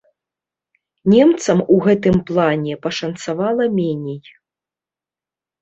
Немцам у гэтым плане пашанцавала меней.